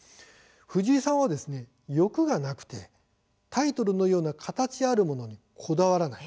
藤井さんは、欲がなくてタイトルのような形あるものにこだわらない。